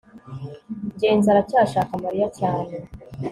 ngenzi aracyashaka mariya cyane